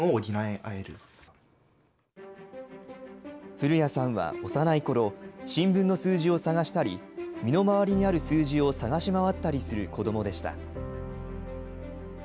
古屋さんは幼いころ、新聞の数字を探したり、身の回りにある数字を探し回ったりする子どもでした。